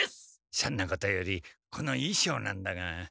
そんなことよりこのいしょうなんだが。